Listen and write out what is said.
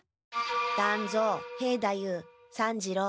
団蔵兵太夫三治郎。